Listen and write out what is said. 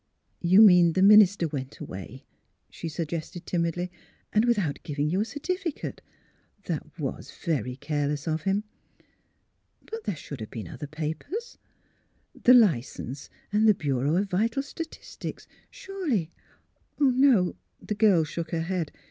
*' You mean the minister went away! " she suggested, timidly, " and without giving you a certificate. That was very careless of him. But there should have been other papers — the license and the Bureau of Vital Statistics; surely " The girl shook her head.